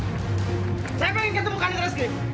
saya ingin ketemu kadet reski